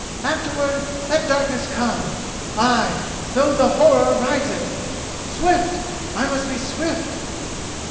Afterwards let darkness come—ay, though the horror rides it! Swift!—I must be swift!"